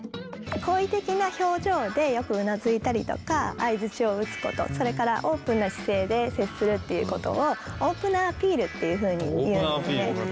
好意的な表情でよくうなずいたりとか相づちを打つことそれからオープンな姿勢で接するっていうことをオープナーアピールっていうふうに言うんですね。